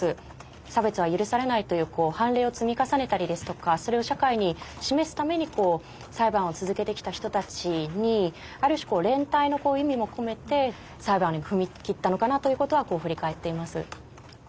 差別は許されないという判例を積み重ねたりですとかそれを社会に示すために裁判を続けてきた人たちにある種連帯の意味も込めて裁判に踏み切ったのかなということは振り返っています。